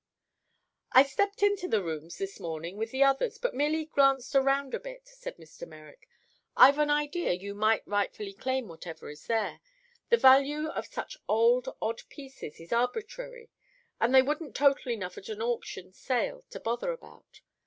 "I stepped into the rooms, this morning, with the others, but merely glanced around a bit," said Mr. Merrick. "I've an idea you may rightfully claim whatever is there. The value of such old, odd pieces is arbitrary and they wouldn't total enough at an auction sale to bother about.